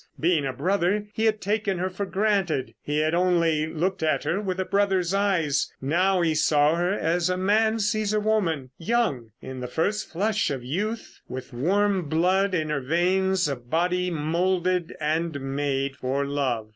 Being a brother he had taken her for granted. He had only looked at her with a brother's eyes. Now he saw her as a man sees a woman; young, in the first flush of youth with warm blood in her veins, a body moulded and made for love.